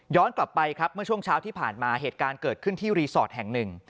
กลับไปครับเมื่อช่วงเช้าที่ผ่านมาเหตุการณ์เกิดขึ้นที่รีสอร์ทแห่งหนึ่ง